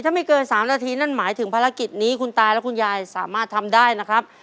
ถ้าไม่เกิน๓นาทีนั่นหมายถึงภารกิจนี้คุณตาและคุณยายสามารถทำได้นะครับ